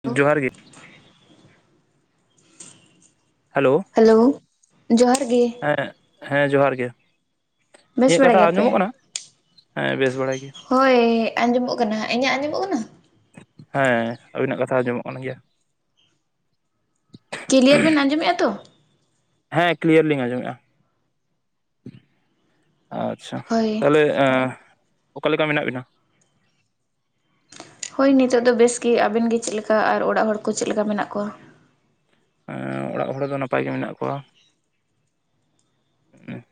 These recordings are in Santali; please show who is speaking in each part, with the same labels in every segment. Speaker 1: ᱦᱮᱞᱳ
Speaker 2: ᱡᱚᱦᱟᱨ ᱜᱮ ᱦᱮᱞᱳ
Speaker 1: ᱦᱮᱞᱳ ᱡᱚᱦᱟᱨ ᱜᱮ
Speaker 2: ᱦᱮᱸ ᱦᱮᱸ ᱡᱚᱦᱟᱨ ᱜᱮ
Speaker 1: ᱵᱮᱥ
Speaker 2: ᱤᱧᱟᱹᱜ
Speaker 1: ᱵᱟᱲᱟ
Speaker 2: ᱠᱟᱛᱷᱟ
Speaker 1: ᱜᱮᱭᱟᱯᱮ?
Speaker 2: ᱟᱸᱡᱚᱢᱚᱜ ᱠᱟᱱᱟ ᱦᱮᱸ ᱵᱮᱥ ᱵᱟᱲᱟᱭ ᱜᱮ
Speaker 1: ᱦᱳᱭ ᱟᱸᱡᱚᱢᱚᱜ ᱠᱟᱱᱟ ᱤᱧᱟᱹᱜ ᱟᱸᱡᱚᱢᱚᱜ ᱠᱟᱱᱟ
Speaker 2: ᱦᱮᱸ ᱟᱹᱵᱤᱱᱟᱜ ᱠᱟᱛᱷᱟ ᱟᱸᱡᱚᱢᱚᱜ ᱠᱟᱱ ᱜᱮᱭᱟ
Speaker 1: ᱠᱞᱤᱭᱟᱨ ᱵᱮᱱ ᱟᱸᱡᱚᱢᱮᱫᱼᱟ ᱛᱚ
Speaker 2: ᱦᱮᱸ ᱠᱞᱤᱭᱟᱨ ᱞᱤᱧ ᱟᱸᱡᱚᱢᱮᱫᱼᱟ [inaudible] ᱟᱪᱪᱷᱟ
Speaker 1: ᱦᱳᱭ
Speaker 2: ᱛᱟᱦᱞᱮ ᱚᱠᱟᱞᱮᱠᱟ ᱢᱮᱱᱟᱜ ᱵᱮᱱᱟ
Speaker 1: ᱦᱳᱭ ᱱᱤᱛᱚᱜ ᱫᱚ ᱵᱮᱥ ᱜᱮᱮ ᱟᱵᱮᱱ ᱜᱮ ᱪᱮᱫ ᱞᱮᱠᱟ ᱟᱨ ᱚᱲᱟᱜ ᱦᱚᱲ ᱠᱚ ᱪᱮᱫ ᱞᱮᱠᱟ ᱢᱮᱱᱟᱜ ᱠᱚᱣᱟ
Speaker 2: ᱚᱲᱟᱜ ᱦᱚᱲ ᱫᱚ ᱱᱟᱯᱟᱭ ᱜᱮ ᱢᱮᱱᱟᱜ ᱠᱚᱣᱟ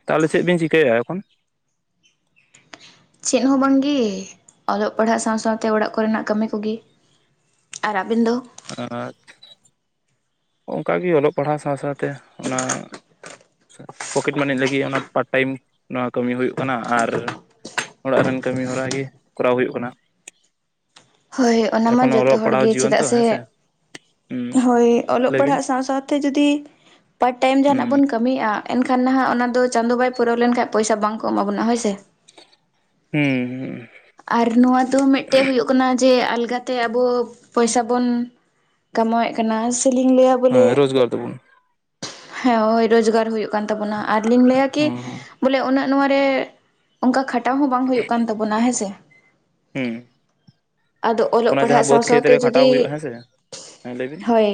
Speaker 2: ᱛᱟᱦᱚᱞᱮ ᱪᱮᱫ ᱵᱤᱱ ᱪᱤᱠᱟᱭᱮᱫᱟ ᱮᱠᱷᱚᱱ
Speaker 1: ᱪᱮᱫ ᱦᱚᱸ ᱵᱟᱝᱜᱮ ᱚᱞᱚᱜ ᱯᱟᱲᱦᱟᱜ ᱥᱟᱶ ᱥᱟᱶᱛᱮ ᱚᱲᱟᱜ ᱠᱚᱨᱮᱱᱟᱜ ᱠᱟᱹᱢᱤ ᱠᱚᱜᱮ ᱟᱨ ᱨᱟᱵᱤᱱᱫᱚ
Speaker 2: ᱟᱨ ᱚᱱᱠᱟᱜ ᱜᱮ ᱚᱞᱚᱜ ᱯᱟᱲᱦᱟᱣ ᱥᱟᱶ ᱥᱟᱶᱛᱮ ᱚᱱᱟ ᱯᱚᱠᱮᱴ ᱢᱟᱹᱱᱤ ᱞᱟᱹᱜᱤᱫ ᱚᱱᱟ ᱯᱟᱨ ᱴᱟᱭᱤᱢ ᱱᱚᱣᱟ ᱠᱟᱹᱢᱤ ᱦᱩᱭᱩᱜ ᱠᱟᱱᱟ ᱟᱨ ᱚᱲᱟᱜ ᱨᱮᱱ ᱠᱟᱹᱢᱤ ᱦᱚᱨᱟ ᱜᱮ ᱠᱚᱨᱟᱣ ᱦᱩᱭᱩᱜ ᱠᱟᱱᱟ
Speaker 1: ᱦᱳᱭ ᱚᱱᱟ ᱢᱟ
Speaker 2: ᱮᱠᱷᱚᱱᱳ
Speaker 1: ᱡᱚᱛᱚ
Speaker 2: ᱚᱞᱚᱜ
Speaker 1: ᱦᱚᱲ
Speaker 2: ᱯᱟᱲᱦᱟᱣ
Speaker 1: ᱜᱮ
Speaker 2: ᱡᱤᱭᱚᱱ
Speaker 1: ᱪᱮᱫᱟᱜ
Speaker 2: ᱛᱚ
Speaker 1: ᱥᱮ
Speaker 2: ᱦᱮᱸᱥᱮ ᱦᱩᱸ
Speaker 1: ᱦᱳᱭ ᱚᱞᱚᱜ
Speaker 2: ᱞᱟᱹᱭ ᱵᱤᱱ
Speaker 1: ᱯᱟᱲᱦᱟᱜ ᱥᱟᱶ ᱥᱟᱶ ᱡᱩᱫᱤ ᱯᱟᱨ ᱴᱟᱭᱤᱢ ᱡᱟᱦᱟᱱᱟᱜ
Speaker 2: ᱦᱩᱸ
Speaker 1: ᱵᱚᱱ ᱠᱟᱹᱢᱤᱭᱮᱜᱼᱟ ᱮᱱᱠᱷᱟᱱ ᱱᱟᱦᱟᱜ ᱚᱱᱟ ᱫᱚ ᱪᱟᱸᱫᱳ ᱵᱟᱭ ᱯᱩᱨᱟᱹᱣ ᱞᱮᱱᱠᱷᱟᱱ ᱯᱚᱭᱟ ᱵᱟᱝ ᱠᱚ ᱮᱢᱟ ᱵᱚᱱᱟ ᱦᱳᱭᱥ [inaudible]
Speaker 2: ᱦᱩᱸ
Speaker 1: ᱟᱨ ᱱᱚᱣᱟ ᱫᱚ ᱢᱤᱫᱴᱮᱡ ᱦᱩᱭᱩᱜ ᱠᱟᱱᱟ ᱡᱮ ᱟᱞᱜᱟᱛᱮ ᱟᱵᱚ ᱯᱚᱭᱥᱟ ᱵᱚᱱ ᱠᱟᱢᱟᱣᱮᱫ ᱠᱟᱱᱟ ᱥᱮᱞᱤᱧ ᱞᱟᱹᱭ
Speaker 2: ᱦᱮᱸ ᱨᱳᱡᱽᱜᱟᱨ ᱛᱟᱵᱚᱱ
Speaker 1: ᱦᱮᱸ ᱳᱭ ᱨᱳᱡᱽᱜᱟᱨ ᱦᱩᱭᱩᱜ ᱠᱟᱱ ᱛᱟᱵᱳᱱᱟ ᱟᱨ ᱞᱤᱧ ᱞᱟᱹᱭᱟ ᱠᱤ
Speaker 2: ᱦᱩᱸ ᱦᱩᱸ
Speaker 1: ᱵᱚᱞᱮ ᱩᱱᱟᱹᱜ ᱱᱚᱭᱟ ᱨᱮ ᱚᱱᱠᱟ ᱠᱷᱟᱴᱟᱣ ᱦᱚᱸ ᱵᱟᱝ ᱦᱩᱭᱩᱜ ᱠᱟᱱ ᱛᱟᱵᱚᱱᱟ ᱦᱮᱸ ᱥᱮ
Speaker 2: ᱢᱸᱻ
Speaker 1: ᱟᱫᱚ ᱚᱞᱚᱜ ᱯᱟᱲᱦᱟᱜ ᱥᱟᱶ ᱥᱟᱶᱛᱮ
Speaker 2: ᱨᱮ ᱠᱷᱟᱴᱟᱣ
Speaker 1: ᱡᱩᱫᱤ
Speaker 2: ᱦᱩᱭᱩᱜᱼᱟ ᱦᱮᱸ ᱥᱮ ᱦᱮᱸ ᱞᱟᱹᱭ ᱵᱤᱱ
Speaker 1: [inaudible] ᱦᱳᱭ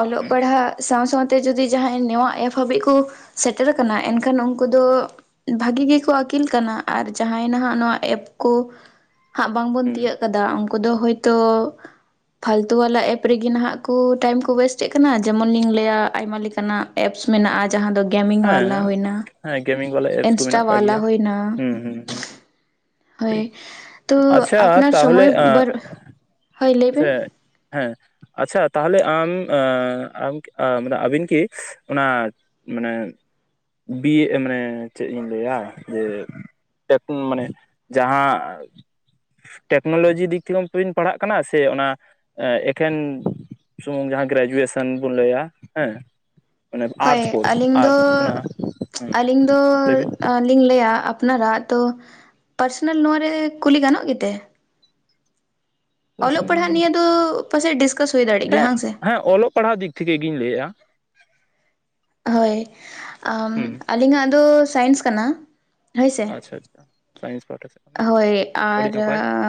Speaker 1: ᱚᱞᱚᱜ
Speaker 2: ᱦᱩᱸ
Speaker 1: ᱯᱟᱲᱦᱟᱜ ᱥᱟᱶ ᱥᱟᱶᱛᱮ ᱡᱩᱫᱤ ᱡᱟᱦᱟᱸᱭ ᱱᱚᱣᱟ ᱮᱯ ᱦᱟᱹᱵᱤᱡ ᱠᱚ ᱥᱮᱴᱮᱨ ᱟᱠᱟᱱᱟ ᱮᱱᱠᱷᱟᱱ ᱩᱱᱠᱩ ᱫᱚ ᱵᱷᱟᱹᱜᱤ ᱜᱮᱠᱚ ᱟᱹᱠᱤᱞ ᱠᱟᱱᱟ ᱟᱨ ᱡᱟᱦᱟᱸᱭ ᱱᱟᱦᱟᱜ ᱱᱚᱣᱟ ᱮᱯ ᱠᱚ ᱦᱟᱸᱜ ᱵᱟᱝᱵᱚᱱ
Speaker 2: ᱦᱩᱸ
Speaker 1: ᱛᱤᱭᱳᱜ ᱠᱟᱫᱟ ᱩᱱᱠᱩ ᱫᱚ ᱦᱳᱭᱛᱳ ᱯᱷᱟᱞᱛᱩ ᱣᱟᱞᱟ ᱮᱯ ᱨᱮᱜᱮ ᱱᱟᱦᱟᱜ ᱠᱚ ᱴᱟᱭᱤᱢ ᱠᱚ ᱚᱳᱭᱮᱥᱴ ᱮᱜ ᱠᱟᱱᱟ ᱡᱮᱢᱚᱱᱤᱧ ᱞᱟᱹᱭᱟ ᱟᱭᱢᱟ ᱞᱮᱠᱟᱱᱟᱜ ᱮᱯᱥ ᱢᱮᱱᱟᱜᱼᱟ ᱡᱟᱦᱟᱸ ᱫᱚ ᱜᱮᱢᱤᱝ ᱵᱟᱞᱟ
Speaker 2: ᱦᱮᱸ
Speaker 1: ᱦᱩᱭᱱᱟ
Speaker 2: ᱦᱮᱸ ᱜᱮᱢᱤᱝ ᱵᱟᱞᱟ ᱮᱯ ᱠᱚ
Speaker 1: ᱤᱱᱥᱴᱟ
Speaker 2: ᱢᱮᱱᱟᱜ ᱟᱠᱟᱜ
Speaker 1: ᱵᱟᱞᱟ
Speaker 2: ᱜᱮᱭᱟ
Speaker 1: ᱦᱩᱭᱱᱟ
Speaker 2: ᱦᱩᱸ ᱦᱩᱸ ᱦᱸ [inaudible]
Speaker 1: ᱦᱳᱭ
Speaker 2: ᱴᱷᱤᱠ
Speaker 1: ᱛᱚ
Speaker 2: ᱟᱪᱪᱷᱟ
Speaker 1: ᱟᱯᱱᱟᱨ
Speaker 2: ᱛᱟᱦᱚᱞᱮ
Speaker 1: ᱥᱚᱢᱚᱭ ᱵᱟᱨ ᱦᱳᱭ ᱞᱟᱹᱭ
Speaker 2: ᱥᱮ
Speaker 1: ᱵᱮᱱ
Speaker 2: ᱦᱮᱸ ᱟᱪᱪᱷᱟ ᱛᱟᱦᱚᱞᱮ ᱟᱢ ᱟᱢ ᱠᱤ ᱼᱼ ᱢᱟᱱᱮ ᱟᱹᱵᱤᱱ ᱠᱤ ᱚᱱᱟ ᱢᱟᱱᱮ ᱵᱤᱻᱮ ᱢᱟᱱᱮ ᱪᱮᱫ ᱤᱧ ᱞᱟᱹᱭᱟ ᱡᱮ ᱯᱮ ᱯᱩᱱ ᱢᱟᱱᱮ ᱡᱟᱦᱟᱸ ᱴᱮᱠᱱᱳᱞᱚᱡᱤ ᱫᱤᱠ ᱛᱮᱜᱮᱵᱤᱱ ᱯᱟᱲᱦᱟᱜ ᱠᱟᱱᱟ ᱥᱮ ᱚᱱᱟ ᱮᱠᱷᱮᱱ ᱥᱩᱢᱩᱝ ᱡᱟᱦᱟᱸ ᱜᱨᱮᱡᱩᱭᱮᱥᱚᱱ ᱵᱚᱱ ᱞᱟᱹᱭᱟ ᱦᱮᱸ ᱢᱟᱱᱮ
Speaker 1: ᱦᱳᱭ
Speaker 2: ᱟᱨᱴᱥ ᱠᱳᱨᱥ
Speaker 1: ᱟᱹᱞᱤᱧ ᱫᱚ
Speaker 2: ᱟᱨᱴᱥ ᱚᱱᱟ ᱦᱮᱸ
Speaker 1: [inaudible] ᱟᱹᱞᱤᱧ ᱫᱚ
Speaker 2: ᱞᱟᱹᱭ ᱵᱤᱱ
Speaker 1: ᱵᱟᱞᱤᱧ ᱞᱟᱹᱭᱟ ᱟᱯᱱᱟᱨᱟᱜ ᱛᱚ ᱯᱟᱨᱥᱚᱱᱟᱞ ᱱᱚᱶᱟ ᱨᱮ ᱠᱩᱞᱤ ᱜᱟᱱᱚᱜ ᱜᱮᱛᱮ ᱚᱞᱚᱜ
Speaker 2: ᱯᱟᱨᱥᱚᱱᱟᱞ
Speaker 1: ᱯᱟᱲᱦᱟᱜ ᱱᱤᱭᱟᱹ
Speaker 2: ᱦᱮᱸ
Speaker 1: ᱫᱚ ᱯᱟᱪᱮᱡ ᱰᱤᱥᱠᱟᱥ ᱦᱩᱭ ᱫᱟᱲᱮᱭ ᱜᱮᱭᱟ ᱦᱟᱝ ᱥᱮ
Speaker 2: ᱦᱮᱸ ᱚᱞᱚᱜ ᱯᱟᱲᱦᱟᱣ ᱫᱤᱠ ᱴᱷᱤᱠ [unintelligible] ᱜᱮᱧ ᱞᱟᱹᱭᱮᱫᱼᱟ
Speaker 1: ᱦᱳᱭ
Speaker 2: ᱦᱩᱸ
Speaker 1: ᱟᱹᱞᱤᱧᱟᱜ ᱫᱚ ᱥᱟᱭᱮᱱᱥ ᱠᱟᱱᱟ ᱦᱳᱭ ᱥᱮ
Speaker 2: ᱟᱪᱪᱷᱟ ᱟᱪᱪᱷᱟ ᱥᱟᱭᱮᱱᱥ ᱯᱟᱦᱟᱴᱟ ᱥᱮᱛ
Speaker 1: ᱦᱳᱭ ᱟᱨ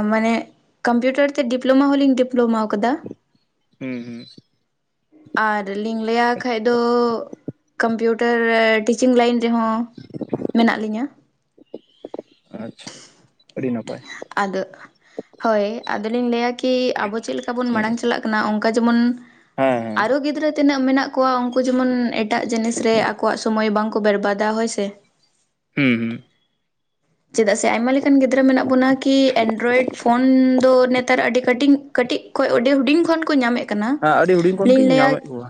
Speaker 1: ᱢᱟᱱᱮ ᱠᱚᱢᱯᱤᱭᱩᱴᱟᱨ ᱛᱮ ᱰᱤᱯᱞᱳᱢᱟ ᱦᱚᱳᱞᱤᱝᱧ ᱰᱤᱯᱞᱳᱢᱟ ᱟᱠᱟᱫᱟ
Speaker 2: ᱦᱩᱸ ᱦᱩᱸ
Speaker 1: ᱟᱨ ᱞᱤᱧ ᱞᱟᱹᱭᱟ ᱠᱷᱟᱡ ᱫᱚ ᱠᱚᱢᱯᱤᱭᱩᱴᱟᱨ ᱴᱤᱪᱤᱝ ᱞᱟᱭᱤᱱ ᱨᱮᱦᱚᱸ ᱢᱮᱱᱟᱜ ᱞᱤᱧᱟᱹ
Speaker 2: ᱟᱪᱪᱷᱟ ᱟᱪᱪᱷᱟ ᱟᱹᱰᱤ ᱱᱟᱯᱟᱭ
Speaker 1: ᱟᱫᱚ ᱦᱳᱭ ᱟᱫᱚᱞᱤᱧ ᱞᱟᱹᱭᱟ ᱠᱤ ᱟᱵᱚ ᱪᱮᱫ ᱞᱮᱠᱟ ᱵᱚᱱ
Speaker 2: ᱦᱩᱸ
Speaker 1: ᱢᱟᱲᱟᱝ ᱪᱟᱞᱟᱜ ᱠᱟᱱᱟ ᱚᱱᱠᱟ ᱡᱮᱢᱚᱱ
Speaker 2: ᱦᱮᱸ ᱦᱮᱸ
Speaker 1: ᱟᱨᱳ ᱜᱤᱫᱽᱨᱟᱹ ᱛᱤᱱᱟᱹᱜ ᱢᱮᱱᱟᱜ ᱠᱚᱣᱟ ᱩᱱᱠᱩ ᱡᱮᱢᱚᱱ ᱮᱴᱟᱜ ᱡᱤᱱᱤᱥ ᱨᱮ ᱟᱠᱚᱣᱟᱜ ᱥᱚᱢᱚᱭ ᱵᱟᱝᱠᱚ ᱵᱮᱨᱵᱟᱫᱟ ᱦᱳᱭ ᱥᱮ
Speaker 2: ᱦᱩᱸ ᱦᱩᱸ
Speaker 1: ᱪᱮᱫᱟᱜ ᱥᱮ ᱟᱭᱢᱟ ᱞᱮᱠᱟᱱ ᱜᱤᱫᱽᱨᱟᱹ ᱢᱮᱱᱟᱜ ᱵᱚᱱᱟ ᱠᱤ ᱮᱱᱰᱨᱚᱭᱮᱰ ᱯᱷᱳᱱ ᱫᱚ ᱱᱮᱛᱟᱨ ᱟᱹᱰᱤ ᱠᱟᱹᱴᱤᱝ ᱠᱟᱹᱴᱤᱡ ᱠᱷᱚᱡᱽ ᱚᱸᱰᱤ ᱦᱩᱰᱤᱧ ᱠᱷᱚᱱ ᱠᱚ ᱧᱟᱢᱮᱫ ᱠᱟᱱᱟ
Speaker 2: ᱦᱮᱸ ᱟᱹᱰᱤ ᱦᱩᱰᱤᱧ ᱠᱷᱚᱱ
Speaker 1: ᱞᱤᱧ
Speaker 2: ᱜᱤᱧ
Speaker 1: ᱞᱟᱹᱭᱟ
Speaker 2: ᱧᱟᱢᱮᱫ ᱠᱚᱣᱟ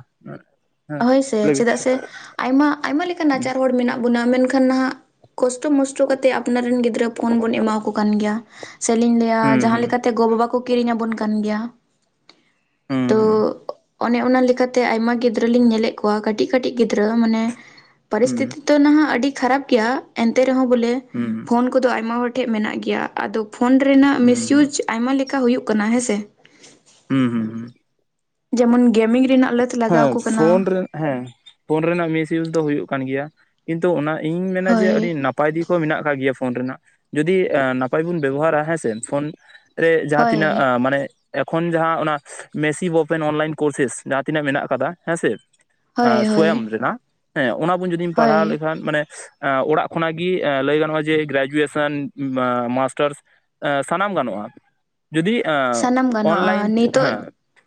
Speaker 2: ᱦᱮᱸ
Speaker 1: ᱦᱳᱭ ᱥᱮ
Speaker 2: ᱞᱟᱹᱭ ᱵᱤᱱ
Speaker 1: ᱪᱮᱫᱟᱜ ᱥᱮ ᱟᱭᱢᱟ ᱟᱭᱢᱟ ᱞᱮᱠᱟᱱ ᱱᱟᱪᱟᱨ ᱦᱚᱲ ᱢᱮᱱᱟᱜ ᱵᱱᱟ ᱢᱮᱱᱠᱷᱟᱱ ᱱᱟᱦᱟᱜ ᱠᱚᱥᱴᱚ ᱢᱟᱥᱴᱚ ᱠᱟᱛᱮ ᱟᱼᱼ ᱟᱯᱱᱟᱨ ᱨᱮᱱ ᱜᱤᱫᱽᱨᱟᱹ ᱯᱷᱳᱱ ᱵᱚᱱ ᱮᱢᱟ ᱠᱚ ᱠᱟᱱ ᱜᱮᱭᱟ ᱥᱮᱞᱤᱧ ᱞᱟᱹᱭᱟ
Speaker 2: ᱦᱩᱸ
Speaker 1: ᱡᱟᱦᱟᱸ
Speaker 2: ᱦᱩᱸ
Speaker 1: ᱞᱮᱠᱟᱛᱼᱼ ᱛᱮ ᱜᱚ ᱵᱟᱵᱟ ᱠᱚ ᱠᱤᱨᱤᱧ ᱟᱵᱚᱱ ᱠᱟᱱ ᱜᱮᱭᱟ
Speaker 2: ᱦᱩᱸ
Speaker 1: ᱛᱚ ᱚᱱᱮ ᱚᱱᱟ ᱞᱮᱠᱟᱛᱮ ᱟᱭᱢᱟ ᱜᱤᱫᱽᱨᱟᱹ ᱞᱤᱧ ᱧᱮᱞᱮᱫ ᱠᱚᱣᱟ ᱠᱟᱹᱴᱤᱡ ᱠᱟᱹᱴᱤᱡ ᱜᱤᱫᱽᱨᱟᱹ ᱢᱟᱱᱮ
Speaker 2: ᱦᱩᱸ
Speaker 1: ᱯᱚᱨᱤᱥᱛᱤᱛᱤ ᱛᱚ ᱱᱟᱦᱟᱜ ᱟᱹᱰᱤ ᱠᱷᱟᱨᱟᱯ ᱜᱮᱭᱟ ᱮᱱᱛᱮ ᱨᱮᱦᱚᱸ ᱵᱚᱞᱮ
Speaker 2: ᱦᱩᱸ ᱦᱩᱸ
Speaker 1: ᱯᱷᱳᱱ ᱠᱚᱫᱚ ᱟᱭᱢᱟ ᱦᱚᱲ ᱴᱷᱮᱱ ᱢᱮᱱᱟᱜ ᱜᱮᱭᱟ ᱟᱫᱚ ᱯᱷᱳᱱ ᱨᱮᱱᱟᱜ
Speaker 2: ᱦᱩᱸ ᱦᱩᱸ
Speaker 1: ᱢᱤᱥᱤᱭᱩᱡᱽ ᱟᱭᱢᱟ ᱞᱮᱠᱟ ᱦᱩᱭᱩᱜ ᱠᱟᱱᱟ ᱦᱮᱸᱥᱮ
Speaker 2: ᱦᱩᱸ ᱦᱩᱸ ᱦᱩᱸ
Speaker 1: ᱡᱮᱢᱚᱱ ᱜᱮᱢᱤᱝ ᱨᱮᱱᱟᱜ ᱞᱟᱼᱼ
Speaker 2: ᱦᱮᱸ ᱯᱷᱳᱱ ᱨᱮ ᱦᱮᱸ ᱯᱷᱳᱱ ᱨᱮᱱᱟᱜ ᱢᱤᱥᱤᱭᱩᱡ ᱫᱚ ᱦᱩᱭᱩᱜ ᱠᱟᱱ ᱜᱮᱭᱟ ᱠᱤᱱᱛᱩ ᱚᱱᱟ ᱤᱧ ᱢᱮᱱᱟ ᱡᱮ
Speaker 1: ᱦᱳᱭ
Speaker 2: ᱟᱹᱰᱤ ᱱᱟᱯᱼᱼ ᱱᱟᱯᱟᱭ ᱫᱤᱠ ᱦᱚᱸ ᱢᱮᱱᱟᱜ ᱠᱟᱜ ᱜᱮᱭᱟ ᱯᱷᱳᱱ ᱨᱮᱱᱟᱜ ᱡᱩᱫᱤ ᱱᱟᱯᱟᱭ ᱵᱚᱱ ᱵᱮᱵᱚᱦᱟᱨᱟ ᱦᱮᱸᱥᱮ ᱯᱷᱳᱱ ᱨᱮ ᱡᱟᱦᱟᱸ
Speaker 1: ᱦᱳᱭ
Speaker 2: ᱛᱤᱱᱟᱹᱜ ᱢᱟᱱᱮ ᱮᱠᱷᱚᱱ ᱡᱟᱦᱟᱸ ᱚᱱᱟ ᱢᱮᱥᱤᱵ ᱳᱯᱮᱱ ᱚᱱᱞᱟᱭᱤᱱ ᱠᱳᱨᱥᱮᱥ ᱡᱟᱦᱟᱸ ᱛᱤᱱᱟᱹᱜ ᱢᱮᱱᱟᱜ ᱟᱠᱟᱫᱟ ᱦᱮᱸ ᱥᱮ
Speaker 1: ᱦᱳᱭ ᱦᱳᱭ
Speaker 2: ᱥᱳᱭᱟᱢ ᱨᱮᱱᱟᱜ ᱦᱮᱸ ᱚᱱᱟ ᱵᱚᱱ ᱡᱩᱫᱤᱢ ᱯᱟᱲᱦᱟᱣ
Speaker 1: ᱦᱳᱭ
Speaker 2: ᱞᱮᱠᱷᱟᱱ ᱢᱟᱱᱮ ᱩᱦ ᱚᱲᱟᱜ ᱠᱷᱚᱱᱟᱜ ᱜᱮ ᱩᱦ ᱞᱟᱹᱭ ᱜᱟᱱᱚᱜᱼᱟ ᱡᱮ ᱜᱨᱮᱡᱩᱭᱮᱥᱮᱱ ᱩᱢ ᱢᱟᱥᱴᱟᱨᱥᱼᱼ ᱮ ᱥᱟᱱᱟᱢ ᱜᱟᱱᱚᱜᱼᱟ ᱡᱩᱫᱤ ᱮ
Speaker 1: ᱥᱟᱱᱟᱢ ᱜᱟᱱᱚᱜᱼᱟ
Speaker 2: ᱚᱱᱞᱟᱭᱤᱱ ᱦᱮᱸ
Speaker 1: ᱱᱤᱛᱚᱜ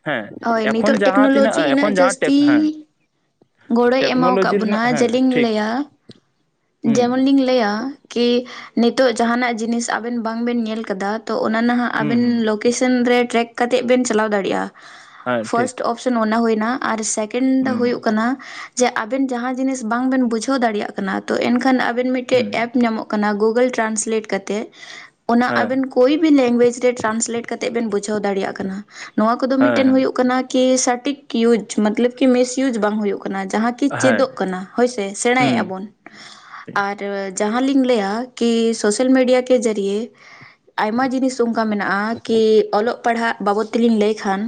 Speaker 2: ᱦᱮᱸ ᱮᱠᱷᱚᱱ ᱡᱟᱦᱟᱸᱛᱼᱼ
Speaker 1: ᱞᱚᱡᱤ ᱤᱱᱟᱹᱜ ᱡᱟᱹᱥᱛᱤ ᱜᱚᱲᱚᱭ ᱮᱢᱟᱣ
Speaker 2: ᱴᱮᱠᱱᱳᱞᱚᱡᱤ
Speaker 1: ᱟᱠᱟᱫ
Speaker 2: ᱨᱮᱱᱟᱜ
Speaker 1: ᱵᱚᱱᱟ
Speaker 2: ᱦᱮᱸ
Speaker 1: ᱡᱮᱞᱤᱧ
Speaker 2: ᱴᱷᱤᱠ
Speaker 1: ᱞᱟᱹᱭᱟ
Speaker 2: ᱦᱩᱸ
Speaker 1: ᱡᱮᱢᱚᱱ ᱞᱤᱧ ᱞᱟᱹᱭᱟ ᱠᱤ ᱱᱤᱛᱚᱜ ᱡᱟᱦᱱᱟᱜ ᱡᱤᱱᱤᱥ ᱟᱵᱮᱱ ᱵᱟᱝ ᱵᱮᱱ ᱧᱮᱞ ᱟᱠᱟᱫᱟ ᱛᱚ ᱚᱱᱟ ᱱᱟᱦᱟᱜ
Speaker 2: ᱦᱩᱸ ᱦᱩᱸ
Speaker 1: ᱟᱵᱮᱱ ᱞᱼᱼ [inaudible] ᱨᱮ ᱴᱨᱮᱠ ᱠᱟᱛᱮᱫ ᱵᱮᱱ ᱪᱟᱞᱟᱣ ᱫᱟᱲᱮᱭᱟᱜᱼᱟ
Speaker 2: ᱦᱮᱸ ᱴᱷᱤᱠ
Speaker 1: ᱯᱷᱟᱥᱴ ᱚᱯᱷᱥᱮᱱ ᱚᱱᱟ ᱦᱩᱭᱱᱟ ᱟᱨ ᱥᱮᱠᱮᱱᱰ ᱫᱚ
Speaker 2: ᱦᱩᱸ
Speaker 1: ᱦᱩᱭᱩᱜ ᱠᱟᱱᱟ ᱡᱮ ᱟᱵᱮᱱ ᱡᱟᱦᱟᱸ ᱡᱤᱱᱤᱥ ᱵᱟᱝ ᱵᱮᱱ ᱵᱩᱡᱷᱟᱹᱣ ᱫᱟᱲᱮᱭᱟᱜ ᱠᱟᱱᱟ ᱛᱚ ᱮᱱᱠᱷᱟᱱ ᱟᱵᱮᱱ ᱢᱤᱫᱴᱮᱡ
Speaker 2: ᱦᱩᱸ
Speaker 1: ᱮᱯ ᱧᱟᱢᱚᱜ ᱠᱟᱱᱟ ᱜᱩᱜᱚᱞ ᱴᱨᱟᱱᱥᱞᱮᱴ ᱠᱟᱛᱮᱫ ᱚᱱᱟ
Speaker 2: ᱦᱮᱸ
Speaker 1: ᱟᱵᱮᱱ ᱠᱳᱭᱵᱤ ᱞᱮᱝᱜᱩᱭᱮᱡ ᱨᱮ ᱴᱨᱟᱱᱥᱞᱮᱴ ᱠᱟᱛᱮᱜ ᱵᱮᱱ ᱵᱩᱡᱷᱟᱹᱣ ᱫᱟᱲᱮᱭᱟᱜ ᱠᱟᱱᱟ ᱱᱚᱣᱟ ᱠᱚᱫᱚ
Speaker 2: ᱦᱮᱸ
Speaker 1: ᱢᱤᱫᱴᱮᱱ
Speaker 2: ᱦᱮᱸ
Speaker 1: ᱦᱩᱭᱩᱜ ᱦᱩᱭᱩᱜᱡᱟᱱᱟ ᱠᱤ ᱥᱚᱴᱤᱠ ᱤᱭᱩᱡᱽ ᱢᱛᱞᱟᱵ ᱠᱤ ᱢᱤᱥᱤᱭᱩᱡᱽ ᱵᱟᱝ ᱦᱩᱭᱩᱜ ᱠᱟᱱ ᱡᱟᱸᱦᱟ ᱠᱤ ᱪᱮᱫᱚᱜ
Speaker 2: ᱦᱮᱸ
Speaker 1: ᱠᱟᱱᱟ ᱦᱳᱭ ᱥᱮ
Speaker 2: ᱦᱩᱸ
Speaker 1: ᱥᱮᱬᱟᱭᱮᱫᱼᱟ ᱵᱚᱱ ᱟᱨ ᱡᱟᱦᱟᱸᱞᱤᱧ ᱞᱟᱹᱭᱟ ᱠᱤ ᱥᱳᱥᱟᱞ ᱢᱤᱰᱤᱭᱟ ᱠ ᱡᱟᱹᱨᱤᱭᱮ ᱟᱭᱢᱟ ᱡᱤᱱᱤᱥ ᱚᱱᱠᱟ ᱢᱮᱱᱟᱜᱼᱟ ᱠᱤ ᱚᱞᱚᱜ ᱯᱟᱲᱦᱟᱜ ᱵᱟᱵᱚᱫ ᱛᱮᱞᱤᱧ ᱞᱟᱹᱭᱼᱼ ᱠᱷᱟᱱ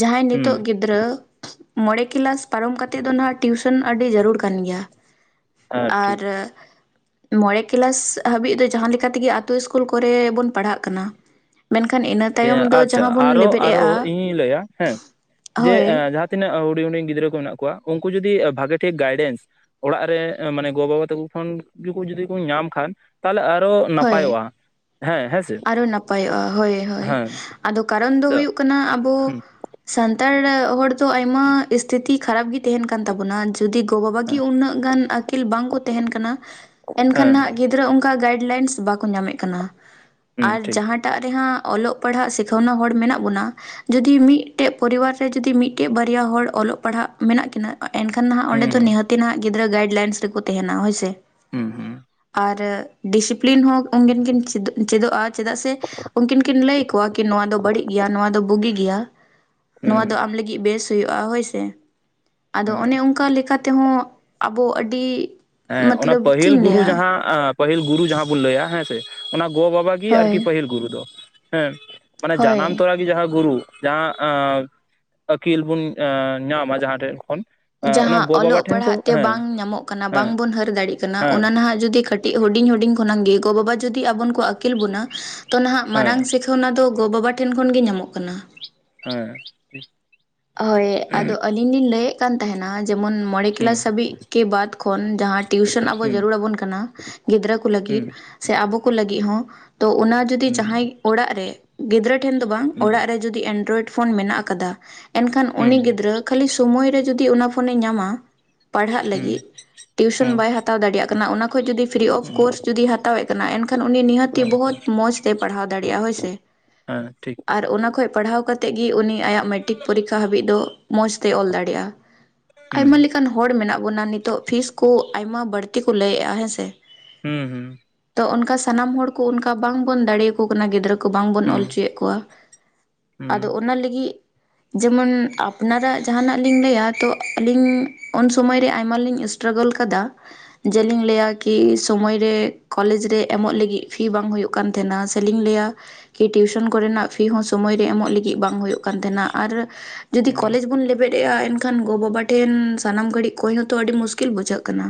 Speaker 1: ᱡᱟᱦᱟᱸᱭ ᱱᱤᱛᱚᱜ
Speaker 2: ᱦᱩᱸ
Speaker 1: ᱜᱤᱫᱽᱨᱟᱹ [inaudible] ᱜᱤᱫᱽᱨᱟᱹ [unintelligible] ᱢᱚᱬᱮ ᱠᱮᱞᱟᱥ ᱯᱟᱨᱚᱢ ᱠᱟᱛᱮᱫ ᱫᱚ ᱱᱟᱦᱟᱜ ᱴᱤᱭᱩᱥᱚᱱ ᱟᱹᱰᱤ ᱡᱟᱹᱨᱩᱲ ᱠᱟᱱ ᱜᱮᱭᱟ᱾
Speaker 2: ᱦᱮᱸ
Speaker 1: ᱟᱨᱼᱼ
Speaker 2: ᱴᱷᱤᱠ
Speaker 1: ᱢᱚᱬᱮ ᱠᱮᱞᱟᱥ ᱦᱟᱹᱵᱤᱡ ᱫᱚ, ᱡᱟᱦᱟᱸ [inaudible] ᱛᱮᱜᱮ ᱟᱛᱳ ᱥᱠᱩᱞ ᱠᱚᱨᱮ ᱵᱚᱱ ᱯᱟᱲᱦᱟᱜ ᱠᱟᱱᱟ᱾ ᱢᱮᱱᱠᱷᱟᱱ ᱤᱱᱟᱹ ᱛᱟᱭᱚᱢ ᱫᱚ ᱡᱟᱦᱟᱸ ᱵᱚᱱ ᱞᱮᱵᱮᱫ ᱮᱫᱼᱟᱼᱼ
Speaker 2: ᱤᱧ ᱞᱟᱹᱭᱟᱼᱼ ᱦᱮᱸ ᱡᱮ ᱮᱨ ᱡᱟᱦᱟᱸ ᱛᱤᱱᱟᱹᱜ ᱦᱩᱰᱤᱧ ᱦᱩᱰᱤᱧ ᱜᱤᱫᱽᱨᱟᱹ ᱠᱚ ᱢᱮᱱᱟᱜ ᱠᱚᱣᱟ ᱩᱱᱠᱩ ᱡᱩᱫᱤ ᱵᱷᱟᱜᱮ ᱴᱷᱤᱠ ᱜᱟᱭᱰᱮᱱᱥᱼᱼ ᱚᱲᱟᱜ ᱨᱮ ᱢᱟᱱᱮ ᱜᱚ ᱵᱟᱵᱟ ᱛᱟᱠᱚ ᱠᱷᱚᱱ ᱜᱮᱠᱚ ᱡᱩᱫᱤ ᱠᱚ ᱧᱟᱢ ᱠᱷᱟᱱ ᱛᱟᱦᱚᱞᱮ ᱟᱨᱚᱼᱼ
Speaker 1: ᱦᱳᱭ᱾ ᱟᱨᱚ ᱱᱟᱯᱟᱭᱚᱜᱼᱟ, ᱦᱳᱭ ᱦᱳᱭ,
Speaker 2: ᱦᱮᱸ
Speaker 1: ᱟᱫᱚ ᱠᱟᱨᱚᱱ ᱫᱚ
Speaker 2: ᱛᱚ
Speaker 1: ᱦᱩᱭᱩᱜ ᱠᱟᱱᱟ [unintelligible] ᱟᱵᱚ
Speaker 2: ᱦᱮᱸ
Speaker 1: ᱥᱟᱱᱛᱟᱲ ᱦᱚᱲ ᱫᱚ ᱟᱭᱢᱟ ᱥᱛᱷᱤᱛᱤ ᱠᱷᱟᱨᱟᱯ ᱜᱮ ᱛᱟᱦᱮᱱ ᱠᱟᱱ ᱛᱟᱵᱚᱱᱟ ᱡᱩᱫᱤ ᱜᱚᱼᱵᱟᱵᱟᱟᱜ ᱜᱮ
Speaker 2: ᱦᱮᱸ
Speaker 1: ᱩᱱᱟᱹᱜ ᱜᱟᱱ ᱟᱹᱠᱤᱞ ᱵᱟᱝᱠᱚ ᱛᱟᱦᱮᱱ ᱠᱟᱱᱟ ᱮᱱᱠᱷᱟᱱ ᱱᱟᱦᱜ
Speaker 2: ᱦᱮᱸ
Speaker 1: ᱜᱤᱫᱽᱨᱟᱹ ᱚᱱᱠᱟ ᱜᱟᱭᱤᱰ ᱞᱟᱭᱤᱱᱥ ᱵᱟᱠᱚ ᱧᱟᱢᱮᱫ ᱠᱟᱱᱟ
Speaker 2: ᱦᱩᱸ
Speaker 1: ᱟᱨ
Speaker 2: ᱴᱷᱤᱠ
Speaker 1: ᱡᱟᱦᱟᱸᱴ ᱮᱴᱟᱜ ᱨᱮᱦ ᱚᱞᱚᱜ ᱯᱟᱲᱦᱟᱜ ᱥᱤᱠᱷᱟᱹᱱᱟ ᱦᱚᱲ ᱢᱮᱱᱟᱜ ᱵᱚᱱᱟ, ᱡᱩᱚᱫᱤ ᱢᱤᱫᱴᱮᱡ ᱯᱚᱨᱤᱵᱟᱨ ᱨᱮ ᱡᱩᱫᱤ ᱢᱤᱫᱴᱮᱡ ᱵᱟᱨᱭᱟ ᱦᱚᱲ ᱚᱞᱚᱜ ᱯᱟᱲᱦᱟᱜ ᱢᱮᱱᱟᱜ ᱠᱤᱱᱟ, ᱮᱱᱠᱷᱟᱱ ᱱᱟᱦᱟᱜ
Speaker 2: ᱦᱩᱸ
Speaker 1: ᱚᱸᱰᱮ [unintelligible]
Speaker 2: ᱦᱩᱸ
Speaker 1: ᱱᱤᱟᱹᱛᱤ ᱱᱟᱦᱟᱜ ᱜᱤᱫᱽᱨᱟᱹ ᱜᱟᱭᱤ ᱞᱟᱭᱤᱱᱥ ᱨᱮᱠᱚ ᱛᱟᱦᱮᱱᱟ ᱦᱳᱭ ᱥᱮ,
Speaker 2: ᱦᱩᱸ ᱦᱩᱸ
Speaker 1: ᱟᱨ ᱰᱤᱥᱤᱯᱞᱤᱱ ᱦᱚᱸ ᱩᱱᱠᱮᱱ ᱠᱤᱱ ᱪᱮᱫᱼᱪᱮᱫᱚᱜᱼᱟ, ᱪᱮᱫᱟᱜ ᱥᱮ ᱩᱱᱠᱤᱱ ᱠᱤᱱ ᱞᱟᱹᱭ ᱟᱠᱚᱣᱟ ᱠᱤ ᱱᱚᱣᱟ ᱫᱚ ᱵᱟᱹᱲᱤᱡ ᱜᱮᱭᱟ ᱱᱚᱣᱟ ᱫᱚ ᱵᱩᱜᱤ ᱜᱮᱭᱟ᱾ ᱱᱚᱣᱟ ᱫᱚ
Speaker 2: ᱦᱩᱸ
Speaker 1: ᱟᱢ ᱞᱟᱹᱜᱤᱫ ᱵᱮᱥ ᱦᱩᱭᱩᱜᱼᱟ ᱦᱳᱭᱥᱮ ᱟᱫᱚ
Speaker 2: ᱦᱮᱸ
Speaker 1: ᱚᱱᱮ ᱚᱱᱠᱟ ᱞᱮᱠᱟᱛᱮᱼᱼ ᱛᱮᱦᱚᱸ, ᱟᱵᱚ ᱟᱹᱰᱤ
Speaker 2: ᱦᱮᱸ ᱚᱱᱟ
Speaker 1: ᱢᱚᱛᱞᱚᱵ ᱪᱮᱫ
Speaker 2: ᱯᱟᱹᱦᱤᱞ
Speaker 1: ᱤᱧ
Speaker 2: ᱜᱩᱨᱩ
Speaker 1: ᱞᱟᱹᱭᱟ
Speaker 2: ᱡᱟᱦᱟᱸ ᱩᱦ ᱯᱟᱹᱦᱤᱞ ᱜᱩᱨᱩ ᱡᱟᱦᱟᱸ ᱵᱚᱱ ᱞᱟᱹᱭᱟ, ᱦᱮᱸ ᱥᱮ, ᱚᱱᱟ ᱜᱚᱼᱵᱟᱵᱟᱟᱜ ᱜᱮ
Speaker 1: ᱦᱳᱭ
Speaker 2: ᱟᱨᱠᱤ ᱯᱟᱹᱦᱤᱞ ᱜᱩᱨᱩ ᱫᱚ᱾ ᱦᱮᱸ ᱢᱟᱱᱮ ᱡᱟᱱᱟᱢ
Speaker 1: ᱦᱳᱭ
Speaker 2: ᱛᱳᱨᱟ [unintelligible] ᱡᱟᱦᱟᱸ ᱜᱩᱨᱩ ᱡᱟᱦᱟᱸ ᱟᱸᱻᱟᱹᱠᱤᱞ ᱵᱚᱱ ᱟᱸᱻ ᱧᱟᱢᱟ ᱡᱟᱦᱟᱸ ᱴᱷᱮᱱ ᱠᱷᱚᱱ᱾ ᱟᱸ ᱚᱱᱟ
Speaker 1: ᱡᱟᱦᱟᱸ
Speaker 2: ᱜᱚ ᱵᱟᱵᱟ
Speaker 1: ᱚᱞᱚᱜ
Speaker 2: ᱴᱷᱮᱱ ᱠᱚ
Speaker 1: ᱯᱟᱲᱦᱟᱜ ᱛᱮ
Speaker 2: ᱦᱮᱸ
Speaker 1: ᱵᱟᱝ ᱧᱟᱢᱚᱜ ᱠᱟᱱᱟ [inaudible] [unintelligible]
Speaker 2: ᱦᱮᱸ
Speaker 1: ᱵᱟᱝ ᱵᱚᱱ ᱦᱟᱹᱨ ᱫᱟᱲᱮᱭᱟᱜ ᱠᱟᱱᱟ ᱚᱱᱟ
Speaker 2: ᱦᱮᱸ
Speaker 1: ᱱᱟᱦᱟᱜ ᱡᱩᱫᱤ ᱠᱟᱹᱴᱤᱡ ᱦᱩᱰᱤᱧ ᱦᱩᱰᱤᱧ ᱠᱷᱚᱱᱟᱜ ᱜᱮ ᱜᱚ ᱵᱟᱵᱟ ᱡᱩᱫᱤ ᱟᱵᱚ ᱠᱚ ᱟᱹᱠᱤᱞ ᱵᱚᱱᱟ ᱛᱚ ᱱᱟᱦᱟᱜ ᱢᱟᱨᱟᱝ
Speaker 2: ᱦᱮᱸ
Speaker 1: ᱥᱤᱠᱷᱟᱹᱣᱱᱟ ᱫᱚ ᱜᱚ ᱵᱟᱵᱟ ᱴᱷᱮᱱ ᱠᱷᱚᱱ ᱜᱮ ᱧᱟᱢᱚᱜ ᱠᱟᱱᱟ
Speaker 2: ᱦᱮᱸ ᱴᱷᱤᱠ [unintelligible]
Speaker 1: ᱦᱳᱭ ᱟᱫᱚ ᱟᱹᱞᱤᱧ ᱞᱤᱧ ᱞᱟᱹᱭᱮᱫ ᱠᱟᱱ ᱛᱟᱦᱮᱱᱟ, ᱡᱮᱢᱚᱱ ᱢᱚᱬᱮ
Speaker 2: ᱦᱩᱸ
Speaker 1: ᱠᱮᱞᱟᱥ ᱦᱟᱹᱵᱤᱡ ᱠᱮ ᱵᱟᱫᱽ ᱠᱷᱚᱱ ᱡᱟᱦᱟᱸ, ᱴᱤᱭᱩᱥᱚᱱ ᱟᱵᱚ
Speaker 2: ᱦᱩᱸ
Speaker 1: ᱡᱟᱹᱨᱩᱲ ᱟᱵᱚᱱ ᱠᱟᱱᱟ ᱜᱤᱫᱽᱨᱟᱹ ᱠᱚ ᱞᱟᱹᱜᱤᱫ
Speaker 2: ᱦᱩᱸ
Speaker 1: ᱥᱮ ᱟᱵᱚ ᱠᱚ ᱞᱟᱹᱜᱤᱫ ᱦᱚᱸ ᱛᱚ ᱚᱱᱟ ᱡᱩᱫᱤ
Speaker 2: ᱦᱩᱸ
Speaker 1: ᱡᱟᱦᱟᱸᱭ ᱚᱲᱟᱜ ᱨᱮ ᱜᱤᱫᱽᱨᱟᱹ ᱴᱷᱮᱱ ᱫᱚ ᱵᱟᱝ ᱚᱲᱟᱜ ᱨᱮ ᱡᱩᱫᱤ ᱮᱱᱰᱨᱚᱭᱮᱰ ᱯᱷᱳᱱ ᱢᱮᱱᱟᱜ ᱟᱠᱟᱫᱟ ᱮᱱᱠᱷᱟᱱ
Speaker 2: ᱦᱩᱸ
Speaker 1: ᱩᱱᱤ
Speaker 2: ᱦᱩᱸ
Speaker 1: ᱜᱤᱫᱽᱨᱟᱹ ᱠᱷᱟᱹᱞᱤ ᱥᱳᱢᱳ ᱨᱮ ᱡᱩᱫᱤ ᱚᱱᱟ ᱯᱷᱳᱱᱮ ᱧᱟᱢᱟ ᱯᱟᱲᱦᱟᱜ ᱞᱟᱹᱜᱤᱫ ᱴᱤᱭᱩᱥᱚᱱ
Speaker 2: ᱦᱩᱸ ᱦᱩᱸ ᱦᱩᱸ
Speaker 1: ᱵᱟᱭ ᱦᱟᱛᱟᱣ ᱫᱟᱲᱮᱭᱟᱜ ᱠᱟᱱᱟ ᱚᱱᱟ ᱠᱷᱚᱱ ᱡᱩᱫᱤ ᱯᱷᱨᱤ ᱚᱯᱷ ᱠᱳᱨᱥ ᱡᱩᱫᱤᱭ ᱦᱟᱛᱟᱣᱮᱫ ᱠᱟᱱᱟ ᱮᱱᱠᱷᱟᱱ ᱩᱱᱤ ᱱᱤᱦᱟᱹᱛᱤ
Speaker 2: ᱦᱩᱸ
Speaker 1: ᱵᱚᱦᱩᱛ ᱢᱚᱡᱽ ᱛᱮ ᱯᱟᱲᱦᱟᱣ ᱫᱟᱲᱮᱭᱟᱜᱼᱟ ᱦᱳᱭ ᱥᱮ
Speaker 2: [inaudible] ᱦᱮᱸ ᱴᱷᱤᱠ᱾
Speaker 1: ᱟᱨ ᱚᱱᱟ ᱠᱷᱚᱡ ᱯᱟᱲᱦᱟᱣ ᱠᱟᱛᱮᱫ ᱜᱮ ᱩᱱᱤ ᱟᱭᱟᱜ ᱢᱮᱴᱨᱤᱠ ᱯᱚᱨᱤᱠᱠᱷᱟ ᱦᱟᱹᱵᱤᱡ ᱫᱚ, ᱢᱚᱸᱡᱽᱛᱮ ᱚᱞ ᱫᱟᱲᱮᱭᱟᱜᱼᱟ
Speaker 2: ᱦᱩᱸ
Speaker 1: ᱟᱭᱢᱟ ᱞᱮᱠᱟᱱ ᱦᱚᱲ ᱢᱮᱱᱟᱜ ᱵᱚᱱᱟ ᱱᱤᱛᱚᱜ ᱯᱷᱤᱥ ᱠᱚ ᱟᱭᱢᱟ ᱵᱟᱹᱲᱛᱤ ᱠᱚ ᱞᱟᱹᱭᱮᱫᱼᱟ ᱦᱮᱸᱥᱮ,
Speaker 2: ᱦᱩᱸ ᱦᱩᱸ
Speaker 1: ᱛᱚ ᱚᱱᱠᱟ ᱥᱟᱱᱟᱢ ᱦᱚᱲ ᱠᱚ ᱚᱱᱠᱟ ᱵᱟᱝᱵᱚᱱ ᱫᱟᱲᱮᱭᱟᱠᱚ ᱠᱟᱱᱟ ᱜᱤᱫᱽᱨᱟᱹ [inaudible] ᱵᱟᱝ ᱵᱚᱱ
Speaker 2: ᱦᱩᱸ
Speaker 1: ᱚᱞ ᱦᱚᱪᱚᱭᱮᱫ ᱠᱚᱣᱟ
Speaker 2: ᱦᱩᱸ
Speaker 1: ᱟᱫᱚ ᱚᱱᱟ ᱞᱟᱹᱜᱤᱫ ᱡᱮᱢᱚᱱ ᱟᱯᱱᱟᱨᱟᱜ ᱡᱟᱦᱱᱟᱜ ᱞᱤᱧ ᱞᱟᱹᱭᱟ ᱛᱚ ᱟᱹᱞᱤᱧ ᱩᱱ ᱥᱩᱢᱚᱭ ᱨᱮ ᱟᱭᱢᱟ ᱞᱤᱧ ᱩᱥᱴᱼᱼ ᱴᱨᱟᱜᱟᱞ ᱠᱟᱫᱟ ᱡᱮᱞᱤᱧ ᱞᱟᱹᱭᱟ ᱠᱤ ᱥᱳᱢᱚᱭ ᱨᱮ ᱠᱚᱞᱮᱡᱽ ᱨᱮ ᱮᱢᱚᱜ ᱞᱟᱹᱜᱤᱫ ᱯᱷᱤ ᱵᱟᱝ ᱦᱩᱭᱩᱜ ᱠᱟᱱ ᱛᱟᱦᱮᱱᱟ ᱥᱮᱞᱤᱧ ᱞᱟᱹᱭᱟ ᱠᱤ ᱴᱤᱭᱩᱥᱚᱱ ᱠᱚᱨᱮᱱᱟᱜ ᱯᱷᱤ ᱦᱚᱸ ᱥᱚᱢᱚᱭ ᱨᱮ ᱮᱢᱚᱜ ᱞᱟᱹᱜᱤᱫ ᱵᱟᱝ ᱦᱩᱭᱩᱜ ᱠᱟᱱ ᱛᱟᱦᱮᱸᱱᱟ ᱟᱨ ᱡᱩᱫᱤ
Speaker 2: ᱦᱩᱸ ᱦᱮᱸ
Speaker 1: ᱠᱚᱞᱮᱡᱽ ᱵᱚᱱ ᱞᱮᱵᱮᱫᱮᱜᱼᱟ [unintelligible] ᱮᱱᱠᱷᱟᱱ ᱠᱷᱟᱱ ᱜᱚ ᱵᱟᱵᱟ ᱴᱷᱮᱱ ᱥᱟᱱᱟᱢ ᱜᱷᱟᱹᱲᱤᱡ ᱠᱚᱭ ᱦᱚᱸᱚᱛᱚ ᱟᱹᱰᱤ ᱢᱩᱥᱠᱤᱞ ᱵᱩᱡᱷᱟᱹᱜ ᱠᱟᱱᱟ